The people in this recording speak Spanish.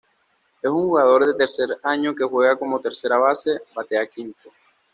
Es un jugador de tercer año que juega como tercera base, batea quinto.